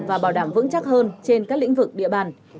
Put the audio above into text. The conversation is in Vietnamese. và bảo đảm vững chắc hơn trên các lĩnh vực địa bàn